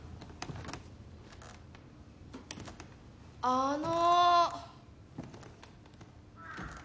あの。